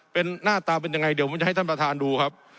เป็นหน้าตาเป็นยังไงเดี๋ยวมันจะให้ท่านประธานดูครับ